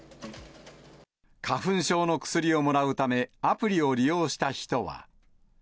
花粉症の薬をもらうためアプリを利用した人は。